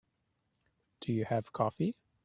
Do you have coffee?